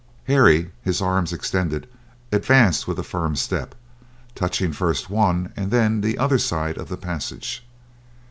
Harry, his arms extended, advanced with a firm step, touching first one and then the other side of the passage.